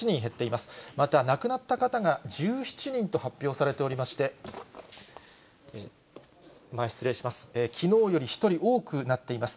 また亡くなった方が１７人と発表されておりまして、前失礼します。